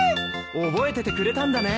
覚えててくれたんだね！